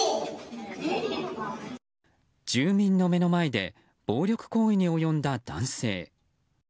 住民の目の前で暴力行為に及んだ男性。